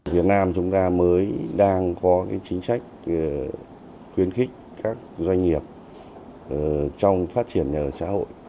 việt nam chúng ta mới đang có chính sách khuyến khích các doanh nghiệp trong phát triển nhà ở xã hội